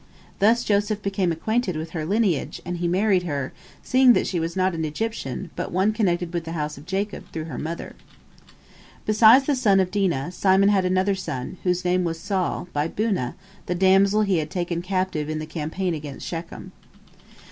Thus Joseph became acquainted with her lineage, and he married her, seeing that she was not an Egyptian, but one connected with the house of Jacob through her mother. Beside the son of Dinah, Simon had another son, whose name was Saul, by Bunah, the damsel he had taken captive in the campaign against Shechem.